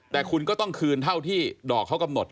แต่คุณก็ต้องคืนเท่าที่ดอกเขากำหนด